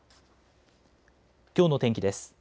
きょうの天気です。